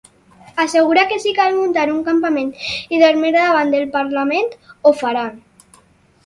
Assegura que si cal ‘muntar un campament i dormir davant del Parlament’, ho faran.